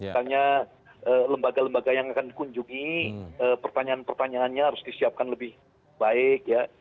misalnya lembaga lembaga yang akan dikunjungi pertanyaan pertanyaannya harus disiapkan lebih baik ya